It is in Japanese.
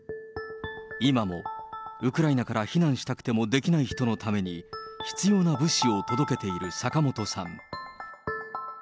今もウクライナから避難したくてもできない人のために、必要な物資を届けている坂本さん。